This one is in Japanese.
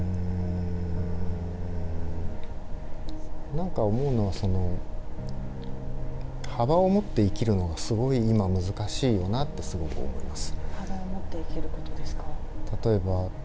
なんか思うのは、幅を持って生きるのがすごい今、難しいよなと思います。